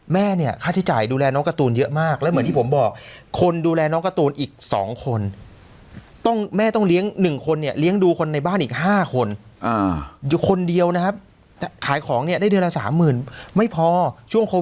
แม่เนี่ยค่าใช้จ่ายดูแลน้องการ์ตูนเยอะมากแล้วเหมือนที่ผมบอกคนดูแลน้องการ์ตูนอีก๒คน